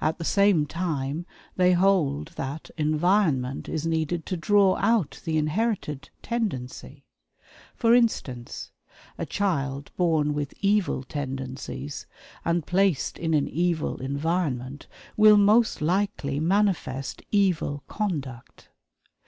At the same time they hold that "environment" is needed to "draw out" the inherited "tendency." For instance, a child born with evil tendencies, and placed in an evil environment, will most likely manifest evil conduct.